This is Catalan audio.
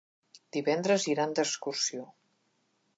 Divendres iran d'excursió.